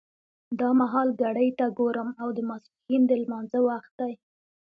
دا مهال ګړۍ ته ګورم او د ماسپښین د لمانځه وخت دی.